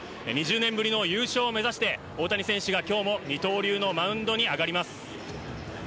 ２０年ぶりの優勝を目指して大谷選手が今日も二刀流のマウンドに上がります。